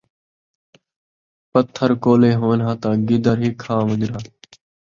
پتھر کولے ہوون ہا تاں گدڑ ءِی کھا ونڄن ہا